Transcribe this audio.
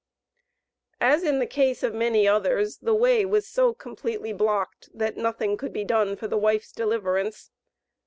As in the case of many others, the way was so completely blocked that nothing could be done for the wife's deliverance.